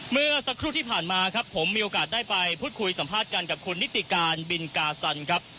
เมื่อสักครู่ที่ผ่านมาครับผมมีโอกาสได้ไปพูดคุยสัมภาษณ์กันกับคุณนิติการบินกาซันครับ